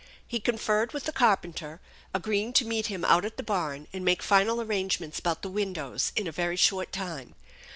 He conferred with the carpenter, agreeing to meet him out at the barn and make final arrange ments about the windows in a very short time.